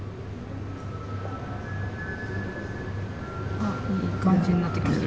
あいい感じになってきました。